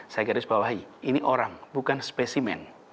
saya garis bawahi ini orang bukan spesimen